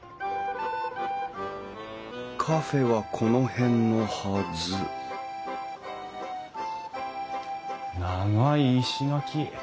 カフェはこの辺のはず長い石垣。